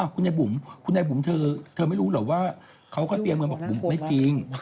อ้าวคุณไอ้บุ๋มคุณไอ้บุ๋มเธอเธอไม่รู้หรอกว่าเขาก็เตียงเหมือนบอกบุ๋มไม่จริง